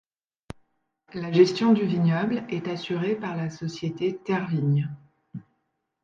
La gestion du vignoble est assurée par la société Tervigne.